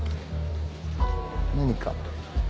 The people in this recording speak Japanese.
何か？